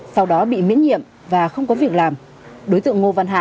sau đó bị miễn nhiệm và không thể đối tượng với các doanh nghiệp